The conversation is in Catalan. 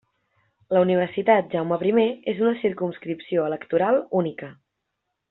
La Universitat Jaume primer és una circumscripció electoral única.